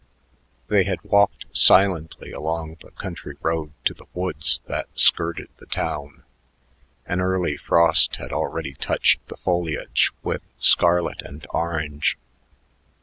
They had walked silently along the country road to the woods that skirted the town. An early frost had already touched the foliage with scarlet and orange.